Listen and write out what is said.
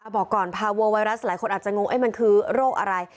บอกก่อนพาโวไวรัสหลายคนอาจจะงงมันคือโรคอะไร